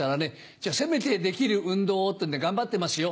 じゃせめてできる運動をってんで頑張ってますよ。